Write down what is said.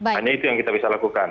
hanya itu yang kita bisa lakukan